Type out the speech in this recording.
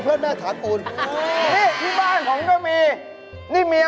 ก็เค้าไล่สิ่งไม่ดีออกไป